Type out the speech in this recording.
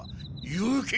行け！